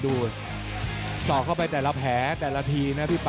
สอกเข้าไปแต่ละแผลแต่ละทีนะพี่ป่า